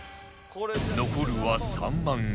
残るは３万円に